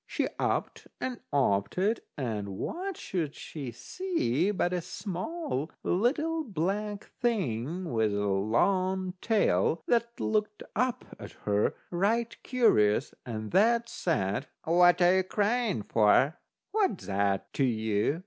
She upped and oped it, and what should she see but a small little black thing with a long tail, that look up at her right curious, and that said: "What are you a crying for?" "What's that to you?"